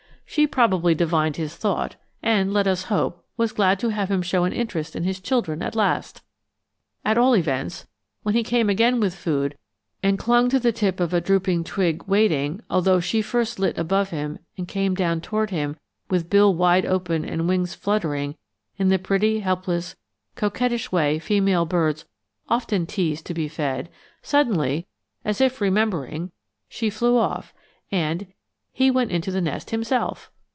She probably divined his thought, and, let us hope, was glad to have him show an interest in his children at last; at all events, when he came again with food and clung to the tip of a drooping twig waiting although she first lit above him and came down toward him with bill wide open and wings fluttering in the pretty, helpless, coquettish way female birds often tease to be fed; suddenly, as if remembering, she flew off, and he went in to the nest himself!